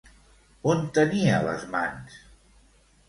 On tenia les mans?